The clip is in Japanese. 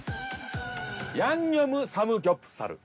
ヤンニョムサムギョプサル。